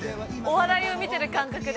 ◆お笑いを見ている感覚で。